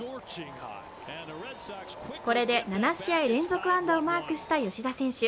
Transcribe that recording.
これで７試合連続安打をマークした吉田選手。